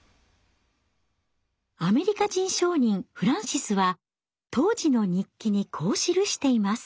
アメリカ人商人フランシスは当時の日記にこう記しています。